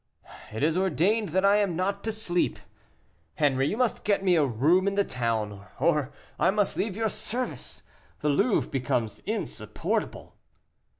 "It is ordained that I am not to sleep. Henri, you must get me a room in the town, or I must leave your service; the Louvre becomes insupportable."